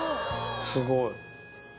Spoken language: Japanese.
すごい。